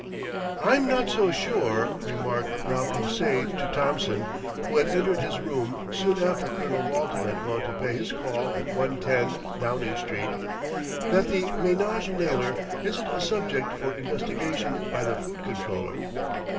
"I'm not so sure," remarked Malcolm Sage to Thompson who had entered his room soon after Colonel Walton had gone to pay his call at 110, Downing Street, "that the ménage Naylor isn't a subject for investigation by the Food Controller."